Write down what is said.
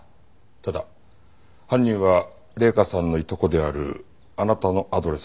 ただ犯人は麗華さんのいとこであるあなたのアドレスも知っていた。